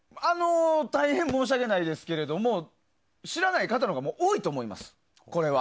大変申し訳ないですけれども知らない方のほうが多いと思います。